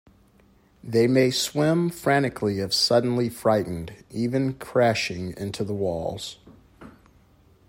They may swim frantically if suddenly frightened, even crashing into the walls.